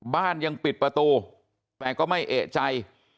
บ้านยังปิดประตูแต่ก็ไม่เอกใจ